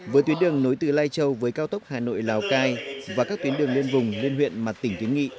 với tuyến đường nối từ lai châu với cao tốc hà nội lào cai và các tuyến đường lên vùng lên huyện mặt tỉnh tuyến nghị